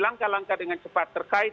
langkah langkah dengan cepat terkait